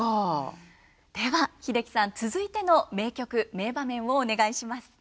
では英樹さん続いての名曲名場面をお願いします。